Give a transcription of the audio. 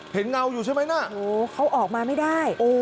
เห็นเงาอยู่ใช่ไหมน่ะโอ้เขาออกมาไม่ได้โอ้